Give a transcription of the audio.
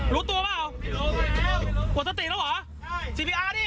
รู้ตัวเปล่าไม่รู้ไม่รู้ปวดสติดแล้วเหรอใช่จีปีอาร์ดิ